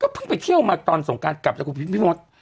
ก็เพิ่งไปเที่ยวมาตอนสงกาลกลับที่ธุรกิจพิมพิมพ์